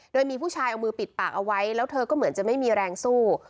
โดยมีผู้ชายเอามือปิดปากเอาไว้แล้วเธอก็เหมือนจะไม่มีแรงสู้